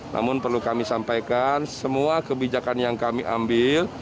namun perlu kami sampaikan semua kebijakan yang kami ambil